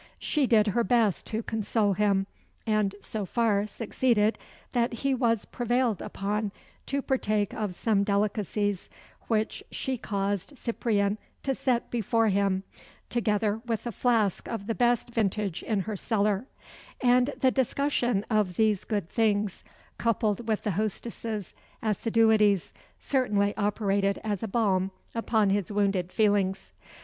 She did her best to console him; and so far succeeded, that he was prevailed upon to partake of some delicacies which she caused Cyprien to set before him, together with a flask of the best vintage in her cellar; and the discussion of these good things, coupled with the hostess's assiduities, certainly operated as a balm upon his wounded feelings.